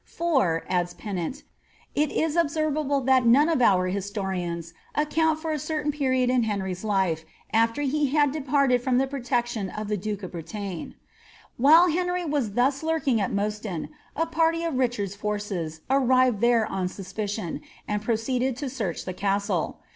^'^ For,'^ adds Pennant, ^ it is observable that none of our historians ac count for a certain period in Henry's life after he had departed from the protection of the duke of Bretagne. While Henry was thus lurking at Mostyn, a party of Richard's forces arrived there on suspicion, and pro ceeded to search the castle.